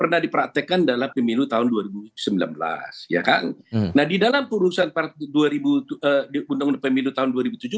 nah di dalam perusahaan undang undang pemilihan tahun dua ribu tujuh belas